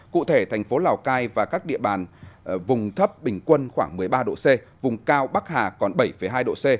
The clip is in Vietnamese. cụ thể thành phố lào cai và các địa bàn vùng thấp bình quân khoảng một mươi ba độ c vùng cao bắc hà còn bảy hai độ c